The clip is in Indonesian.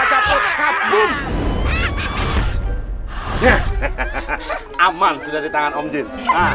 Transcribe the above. ah ah ah ah ah ah aman sudah di tangan om zin